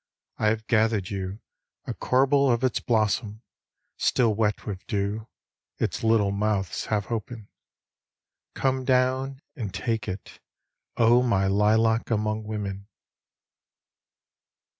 I have gathered you a corbel of its blossom, Still wet with dew, its little mouths half open. Come down and take it, O my Lilac among Women